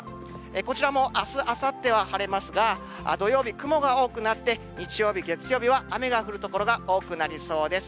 こちらもあす、あさっては晴れますが、土曜日、雲が多くなって、日曜日、月曜日は雨が降る所が多くなりそうです。